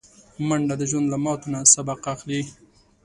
منډه د ژوند له ماتو نه سبق اخلي